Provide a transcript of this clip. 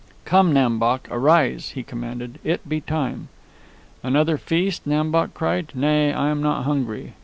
"Come, Nam Bok, arise!" he commanded. "It be time." "Another feast!" Nam Bok cried. "Nay, I am not hungry.